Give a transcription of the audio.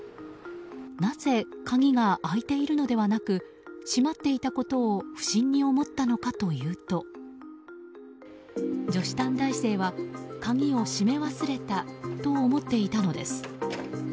なぜ、鍵が開いているのではなく閉まっていたことを不審に思ったのかというと女子短大生は鍵を閉め忘れたと思っていたのです。